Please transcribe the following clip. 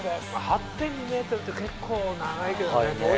８．２ｍって結構長いけどね。